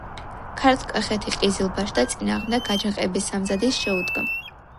ქართლ-კახეთი ყიზილბაშთა წინააღმდეგ აჯანყების სამზადისს შეუდგა.